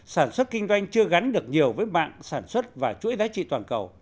sản xuất kinh doanh chưa gắn được nhiều với mạng sản xuất và chuỗi giá trị toàn cầu